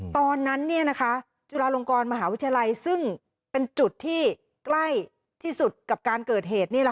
ตอนนั้นจุฬาลงกรมหาวิทยาลัยซึ่งเป็นจุดที่ใกล้ที่สุดกับการเกิดเหตุ